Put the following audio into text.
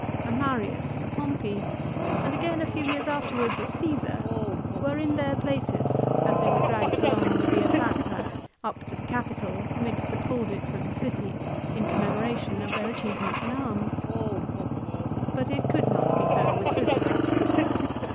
A Marius, a Pompey, and again a few years afterwards a Ciesar, were in their places as they were dragged along the Via Sacra up to the capitol amidst the plaudits of the city, in commemoration of their achievements in arms. But it could not be so with Cicero.